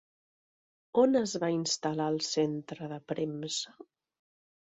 On es va instal·lar el centre de premsa?